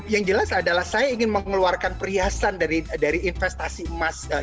yang jelas adalah saya ingin mengeluarkan perhiasan dari investasi emas